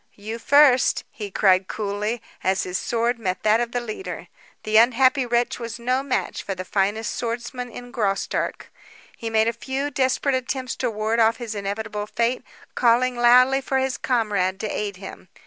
"You first!" he cried coolly, as his sword met that of the leader. The unhappy wretch was no match for the finest swordsman in Graustark. He made a few desperate attempts to ward off his inevitable fate, calling loudly for his comrade to aid him.